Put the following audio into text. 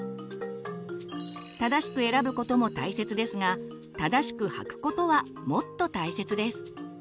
正しく選ぶことも大切ですが正しく履くことはもっと大切です。